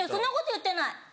「言ってない」